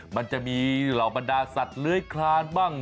มันจะมีเหล่าบรรดาสัตว์เลื้อยคลานบ้าง